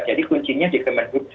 jadi kuncinya di kemenbuk